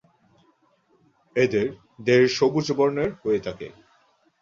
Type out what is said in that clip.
এদের দেহের সবুজ বর্ণের হয়ে থাকে।